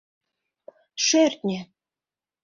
Шӧртньӧ...